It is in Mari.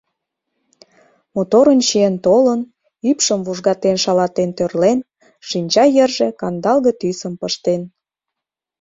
Моторын чиен толын, ӱпшым вужгатен шалатен тӧрлен, шинча йырже кандалге тӱсым пыштен.